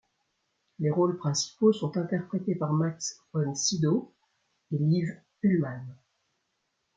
Les rôles principaux sont interprétés par Max von Sydow et Liv Ullmann.